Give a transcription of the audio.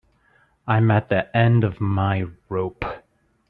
I'm at the end of my rope.